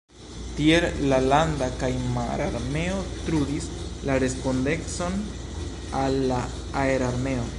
Tiel la landa kaj mararmeo trudis la respondecon al la aerarmeo.